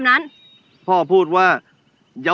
แบบนี้ก็ได้